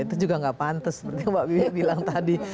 itu juga nggak pantas seperti yang mbak wiwi bilang tadi